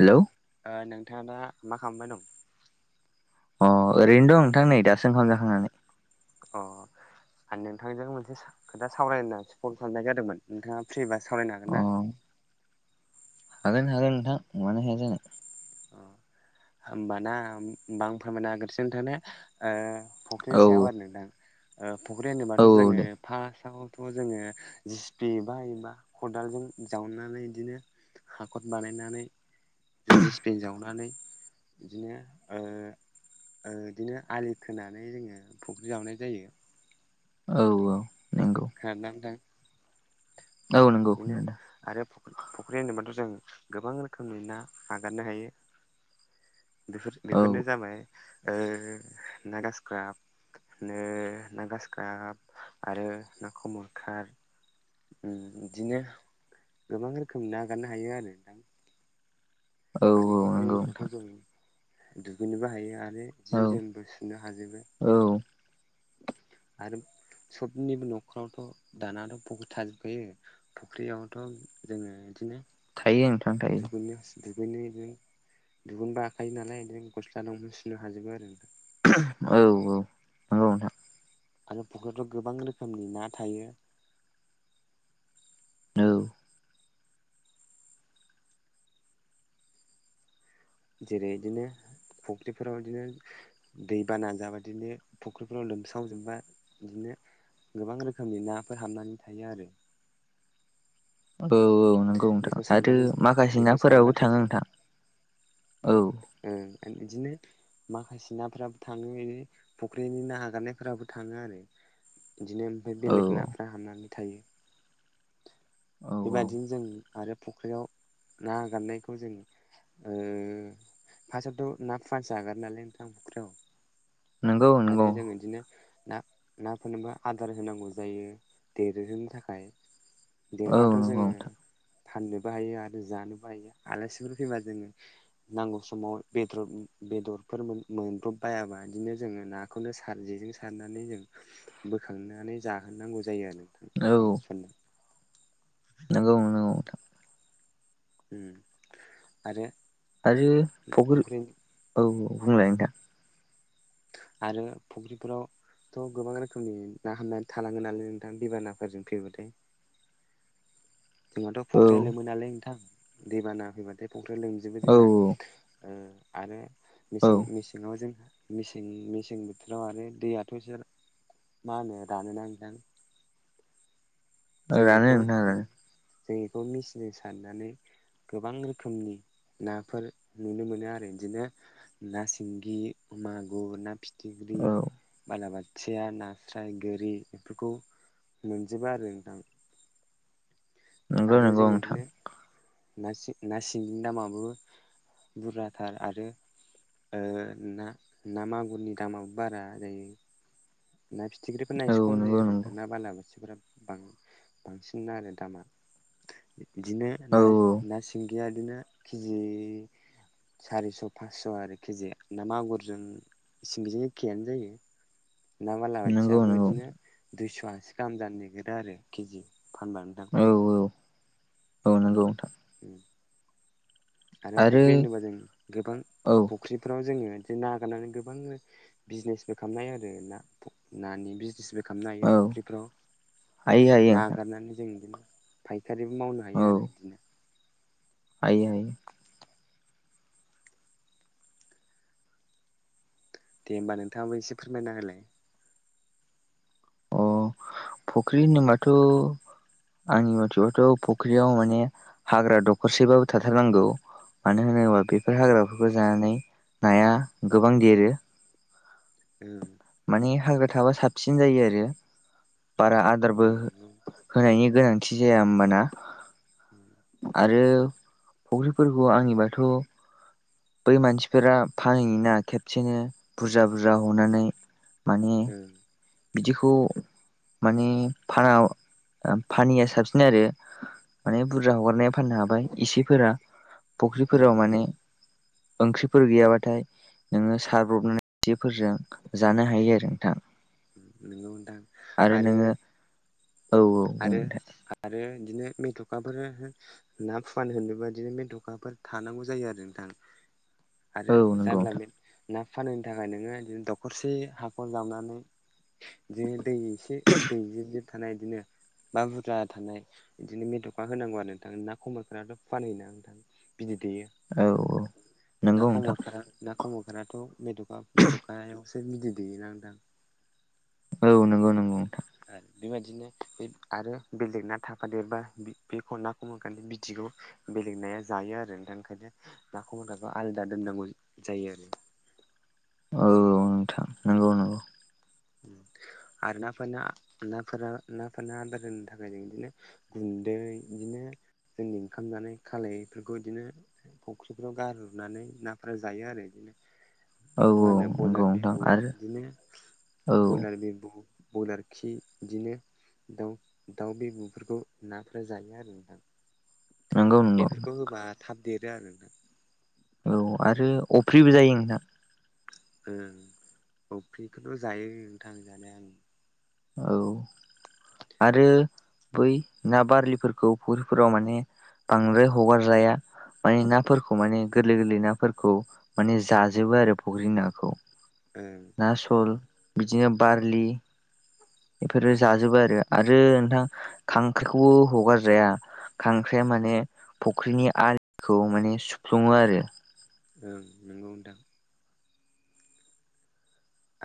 Hello नोंथाङा दा मा खालामबाय दं? अ ओरैनो दं नोंथां नै दासो ओंखाम जाखांनानै। अ आं नोंथांजों मोनसे खोथा सावरायना होननासो फन खालामनाय जादोंमोन। नोंथाङा फ्रि बा सावरायनो हागोन अ ना? हागोन हागोन नोंथां मानो हाया जानो। होमबाना आं फोरमायना हाग्रोनिसै नोंथांनो ओ औ फुख्रिनि सायाव आरो नोंथां फुख्रि औ होनोबाथ' औ जोङो दे फार्स्टआव थ' जोङो जि सि पि बा एबा खदालजों जावनानै बिदिनो हाखर बानायनानै जों जि [unintelligible] जावनानै बिदिनो ओ बिदिनो आलि खोनानै जोङो फुख्रि जावनाय जायो। औ औ नंगौ। [unintelligible] औ नंगौ बिदिनो खोनादों आरो फुख्रि होनोब्लाथ' जों गोबां रोखोमनि नागारनो हायो। बेफोर औ बेफोरनो जाबाय ओ ना गासक्राब ओ ना गासकाब आरो ना खमलखाथ। ओ बिदिनो गोबां रोखोमनि ना नागारनो हायो आरो नोंथां। औ आरो औ फुख्रि नंगौ नोंथां होनबाथ' जों दुगैनोबो हायो आरो जि औ जोमबो सुनो हाजोबो औ आरो सबनिबो नखरावथ' दानाथ' फख्रि थाजोबखायो। फुख्रियावथ' जोङो बिदिनो थायो नोंथां थायो दुगैनि दुगैनो दुगैनोबा हाखायो नालाय बिदिनो गस्ला दंमोन सुनो हाजोबो आरो। औ औ औ नोंथां। आरो फख्रिआवथ गोबां रोखोमनि ना थायो। औ जेरै बिदिनो फख्रिफोराव बिदिनो दै बाना जाबा बिदिनो फख्रिफ्राव लोमस्रावजोबबा बिदिनो गोबां रोखोमनि नाफोर हाबनानै थायो आरो। औ औ नंगौ नोंथां बेखौ आरो सारबाथाय माखासे बेखौ नाफोराबो सारबाथाय थाङो नोंथां औ। ओ ओमफ्राय बिदिनो माखासे नाफोराबो थाङो बे फुख्रिनि ना आगारनायफोराबो थाङो आरो। बिदिनो ओमफ्राय औ बेलेग नाफ्रा हाबनानै थायो। औ औ बेबायदिनो जों आरो फुख्रियाव ना गारनायखौ जों ओ फासाआवथ' ना फुवानसो आगारो नालाय नोंथां फुख्रियाव नंगौ नंगौ आरो जों बिदिनो ना नाफोरनोबो आदार होनांगौ जायो देरहोनो थाखाय औ देरबाथ' नंगौ जोङो नोंथां फाननोबो हायो आरो जानोबो हायो आलासिफोर फैबा जोङो नांगौ समाव बेदर बेदरफोर मोन-मोनब्रबबायाबा बिदिनो जोङो ना खौनो सार जेजों सारनानै जों बोखांनानै जाहोनांगौ जायो आरो [unintelligible] नोंगौ नोंथां उम आरो आरो फख्रि फुख्रि औ बुंलाय नोंथां आरो फुख्रिफोराव थ' गोबां रोखोमनि ना हाबनानै थालाङो नालाय नोंथां दैबानाफोरजों फैबाथाय जोंनाथ' औ फख्रिया लोमो नालाय नोंथां दैबाना फैबाथाय फख्रिया लोमजोबो औ जोंना औ ओ आरो मेसें औ मेसेङाव जोंहा मेसें मेसें बोथोराव आरो दैयाथ' जोर मा होनो दानोना नोंथां जों रानो बेखौ नोंथां जों रानो बेखौ मिचिनजों सारनानै गोबां रोखोमनि नाफोर नुनो मोनो आरो बिदिनो ना सिंगि, मागुर, ना फिथिख्रि औ बालाबाथिया, नास्राय, गोरि बेफोरखौ मोनजोबो आरो ओं नंगौ आरो नंगौ जों नोंथां बिदिनो नासिं ना सिंगिनि दामाबो बुरजाथार आरो ओ ना ना मागुरनि दामाबो बारा जायो ना फिथिख्रिफोरना एसे खम जायो आरो ना बालाबाथिफोरा बां-बांसिन आरो दामा बिदिनो औ ना-नासि सिंगिया बिदिनो केजि सारिस' फासस' आरो केजि ना मागुरजों सिंगिजों एखेयानो जायो ना नंगौ बालाबाथियाबो नंगौ बिदिनो दुइस'आसि गाहाम जानो नागिरो आरो केजि फानबा नोंथां औ औ औ औ नंगौ नोंथां उम आरो फुख्रि होनोबा जों गोबां औ फुख्रिफ्राव जोङो बिदि ना आगारनानै गोबांनो बिजिनेसबो खालामनो हायो आरो ना फ नानि बिजिनेसबो खामनो हायो औ फुख्रिफ्राव हायो हायो ना नोंथां आगारनानै जों बिदिनो फायखारिबो मावनो हायो औ आरो बिदिनो हायो हायो दे होमबा नोंथाङाबो एसे फोरमायना होलाय अ फुख्रि होनोबाथ' आंनि मथेबाथ' फुख्रियाव माने हाग्रा दखरसेबाबो थाथारनांगौ मानो होनोब्ला बेफोर उम हाग्राफोरखौ जानानै नाया गोबां देरो ओं माने हाग्रा थाबा साबसिन जायो आरो बारा आदारबो ओं नंगौ होनायनि गोनांथि जाया होमबाना उम आरो फुख्रिफोरखौ आंनिबाथ' बै मानसिफोरा फानहैयोना खेबसेनो बुरजा बुरजा हनानै माने ओं बिदिखौ माने फाना फानिया साबसिन आरो माने बुरजा हगारनाया फाननो हाबाय इसेफोरा फुख्रिफोराव नंगौ माने ओंख्रिफोर गैयाबाथाय नोङो सारब्रबनानै थिफोरजों जानो हायो आरो नोंथां नंगौ नोंथां आरो नोङो औ औ बुं आरो नोंथां। आरो बिदिनो मेथ'खाफोर हो ना फुवान होन बेबायाददिनो बे दखाफोर थानांगौ जायो आरो नोंथां। आरो बुं [unintelligible] नोंथां ना फुवान होनो थाखाय नोङो बिदिनो दखरसे हाखर जावनानै बिदिनो दै एसे दै जिर जिर थानाय बिदिनो बा बुरजा थानाय बिदिनो मेथ'खा होनांगौ आरो नोंथांनो ना खमलखाथ आथ' फुवान होयोना नोंथां। बिदै दैयो। औ ना नंगौ नोंथां खमलखादा ना खमलखादाथ' मेथ'खा मेथ'खायाव सो बिदै दैैयोना नोंथां। औ नंगौ नंगौ नों थां। आरो बेबायदिनो बे आरो बेलेग ना थाफादेरबा बे बेखौ नाखौमखलि बिदिखौ बेलेग नाया जायो आरो नोंथां ओंखायनो ना खमलखादखौ आलदा दोननांगौ जायो आरो। औ औ नोंथां नंगौ नंगौ ‌ ओम आरो नाफोरना नाफोरनो आदार होनो थाखाय जों इदिनो गुन्दै बिदिनो जोंनि ओंखाम जानाय खालफोरखौ बिदिनो फुख्रिफ्राव गारहरनानै नाफोरा जायो आरो बिदिनो। औ मा औ होनो नंगौ बयलार नोंथां बिबु आरो बिदिनो औ बयलार बिबु ब्रयलार खि बिदिनो दाउ दाउ बेबु'फोरखौ नाफ्रा जायो आरो नोंथां ‌ नंगौ नंगौ बेफोरखौ होबा थाब देरो आरो नोंथां। औ आरो अफ्रिबो जायो नोंथां। ओ अफ्रिखौथ' जायो नोंथां जानाया ओं। औ आरो बै ना बारलिफोरखौ फुख्रिफोराव माने बांद्राय हगारजाया माने नाफोरखौ माने गोरलै गोरलै नाफोरखौ माने जाजोबो आरो फख्रि नाखौ। ओं। न सल बिदिनो बारलि बेफोरो ओं जाजोबो आरो आरो नोंथां खांख्रिखौबो हगारजाया। खांख्राइाया माने फुख्रिनि आलिखौ माने सुफ्लुङो आरो‌। ओं नंगौ नोंथां।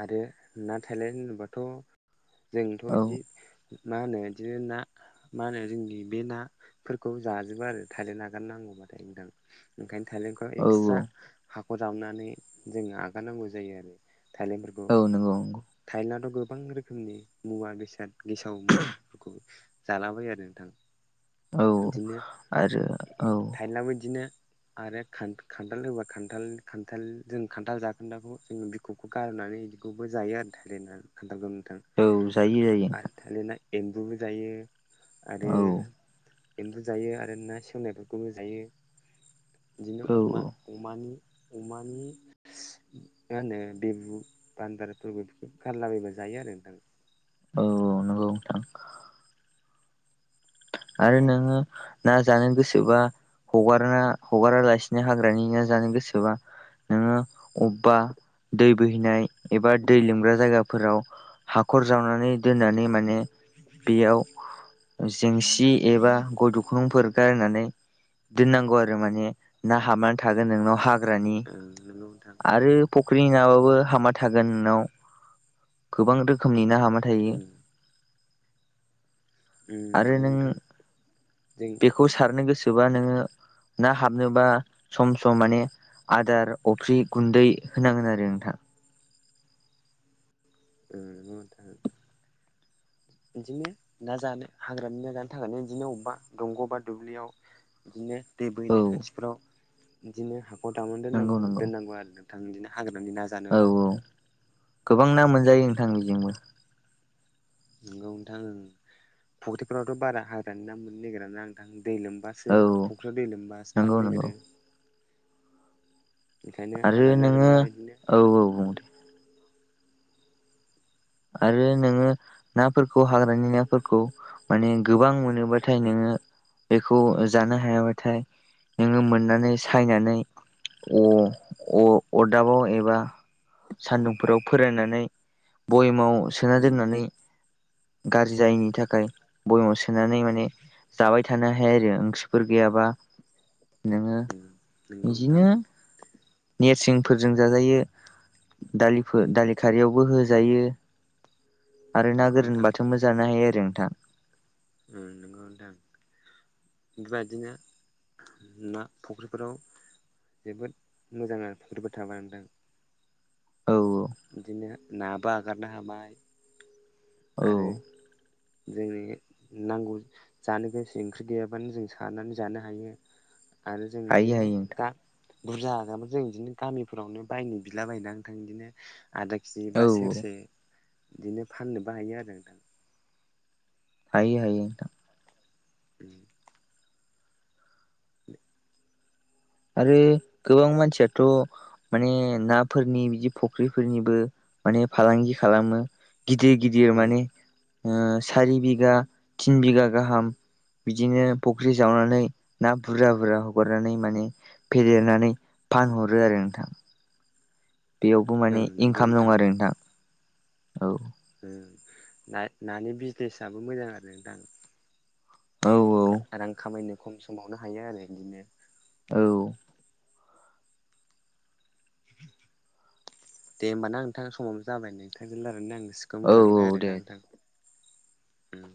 आरो ना थायलेन होनोबाथ' जोंथ' औ बिदि मा होनो बिदिनो ना मा होनो जोंनि बे नाफोरखौ जाजोबो आरो थाइलेन नागार नांगौबाथाय नोंथां ‌। ओंखायनो थाइलेनथखौ औ एक्सट्रा हाख'र जावनानै जोङो आगारनांगौ जायो आरो। थाइलेनद फोरखौ। औ नंगौ नंगौ। थाइलेनडआथ' गोबां रोखोमनि मुवा बेसाद गेसाव मुवाफोरखौ जालाबायो आरो नोंथां औ बिदिनो आरो औ थाइलेनडाबो बिदिनो आरो खा-खान्थाल होबा खान्थाल-खान्थाल जों खान्थाल जाखोन्दाखौ जों बि बिखबखौ गारनानै इदिखौबो जायो आरो थायलेनडा खान्थालखौ नोंथां औ जायो जायो नोंथां। थाइलेनडा एम्बुबो जायो आरो औ एम्बु जायो आरो ना सेवनायफोरखौबो जायो बिदिनो औ अमा औ अमानि अमानि मा होनो, बेबु बान्दारफोरबो बेफोरखौ गारलाबायबा जायो आरो नोंथां औ औ नंगौ नोंथां। आरो नोङो ना जानो गोसोबा हगारना हगारालासिनो हाग्रानि ना जानो गोसोबा नोङो अब्बा दै बोहैनाय एबा दै लोमग्रा जायगाफोराव हाख'र जावनानै दोननानै माने बेयाव जेंसि एबा गय दुख'नंफोर गारनानै दोन्नांगौ आरो माने ना हाबनानै थोगोन नोंनाव हा हाग्रानि नोंथां आरो फख्रि नङाबाबो हामा थागोन नोंनाव गोबां रोखोमनि ना हामा थायो। ओ आरो नंगौ नों नोंथां उम उम बेखौ सारनो गोसोबा नोङो ना हाबनोबा सम सम माने आदार अफ्रि गुन्दै होनांगोन आरो नोंथां [unintelligible] बिदिनो ना जानो हाग्रानि ना जानो थाखायनो बिदिनो अबेबा दंग' बा दुब्लियाव बिदिनो दै औ बोहैनाय खाथिफ्राव बिदिनो हाखौ दामनानै नंगौ दोननांगौ नंगौ दोननांगौ आरोना। नोंथां बिदि हाग्रानि ना औ जानोबा औ गोबां ना मोनजायो उम नोंथां बिजोंबो नंगौ नोंथां फख्रिफोरावथ' बारा हाग्रानि ना मोननो नागिर ना नोंथां दै लोमबा सो औ फ'ख्रा दै लोमबासो नंगौ थानो नंगौ नागिरो। बेखायनो आरो हाग्रानि राजानो नोङो मा बिदिनो औ औ बुं नोंथां आरो नोङो नाफोरखौ हाग्रानि नाफोरखौ माने गोबां मोनोबाथाय नोङो बेखौ जानो हायाबाथाय नोङो मोननानै सायनानै अ-अरदाबाव एबा सान्दुंफोराव फोरनानै बयेमाव सोना उम दोननानै गाज्रि जायिनि थाखाय बयेमाव सोनानै माने जाबाय थानो हाया आरो ओंख्रिफोर गैयाबा नोङो उम नंगौ नोंथां बिदिनो नेरसिंफोरजों जाजायो दालिफोर उम दालि खारियावबो होजायो आरो ना नंगौ गोरान नोंथां बाथोनबो जानो हायो आरो नोंथां अम नंगौ नोंथां बेबायदिनो ना फुख्रिफोराव जोबोद मोजां आरो फुख्रिफोर थाबा नोंथां औ औ बिदिनो नाबो हगारनो हाबाय आरो औ जोंनि नांगौ जानो गोसो ओंख्रि गैयाबानो जों सारानानै जानो हायो आरो जों हायो बिदिनो हायो नोंथां गा बुरजा आगारब्ला जों बिदिनो गामिफोरावनो बायनो बिला बायनानै थां बिदिनो आदा केिजि बा औ औ सेरसे बिदिनो फाननोबो हायो आरो नोंथां हायो हायो नोंथां अम [inaudible] आरो गोबां मानसियाथ' माने नाफोरनि बिदि फुख्रिफोरनिबो माने फालांगि खालामो। गिदिर गिदिर उम माने ओ सारि बिगा थिन बिगा गाहाम बिदिनो फुख्रि जावनानै ना बुरजा बुरजा हगारनानै माने फेदेरनानै फानहरो आरो नोंथां। बेयावबो माने ओं नंगौ इनकाम नोंथां दं आरो नोंथां औ अम नानि बिजनेसआबो मोजां आरो नोंथां औ रां खामायनो खम समावनो हायो आरो बिदिनो औ दे होमबाना नोंथां समाबो जाबाय नोंथांजों लायानानै आं गोसोखौ औ मोजां मोनबाय औ आरोना दे नोंथां। उम